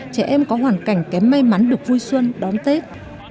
trẻ em có hoàn cảnh kém may mắn được vui xuân đón tết